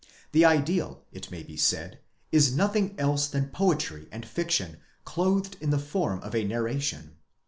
'The ideal, it may be said, is nothing else than poetry and fiction clothed in the form of a narration.